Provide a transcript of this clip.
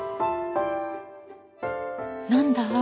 何だ？